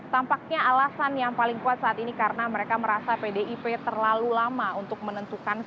tampaknya alasan yang paling kuat saat ini karena mereka merasa pdip terlalu lama untuk menentukan